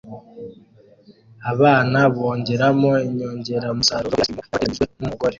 Abana bongeramo inyongeramusaruro kuri ice cream yabateganyirijwe numugore